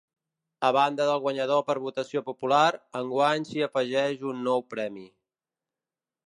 A banda del guanyador per votació popular, enguany s’hi afegeix un nou premi.